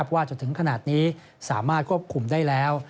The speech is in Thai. ว่าจนถึงขนาดนี้สามารถควบคุมได้แล้ว